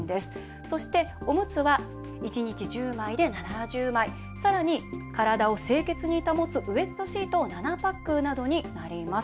そしておむつは一日１０枚で７０枚、さらに体を清潔に保つウエットシート７パックなどになります。